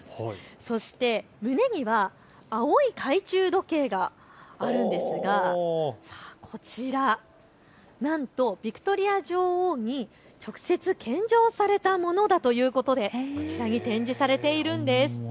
そして胸には青い懐中時計があるんですがこちらなんとヴィクトリア女王に直接献上されたということでこちらに展示されているんです。